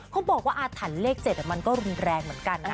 เขาบอกว่าอาถรรพ์เลข๗มันก็รุนแรงเหมือนกันนะ